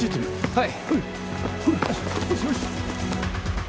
はい！